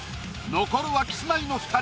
残るはキスマイの２人。